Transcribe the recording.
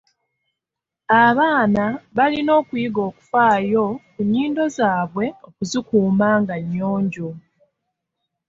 Abaana balina okuyiga okufaayo ku nnyindo zaabwe okuzikuuma nga nnyonjo.